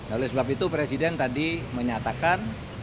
oleh sebab itu presiden tadi menyatakan